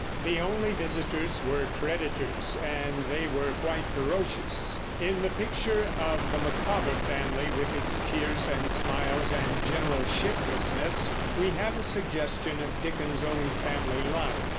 The only visitors were creditors, and they were quite ferocious. In the picture of the Micawber family, with its tears and smiles and general shiftlessness, we have a suggestion of Dickens's own family life.